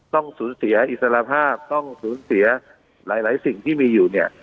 ต้องสูญเสียอิสระภาพต้องสูญเสียหลายสิ่งที่มีอยู่เนี่ย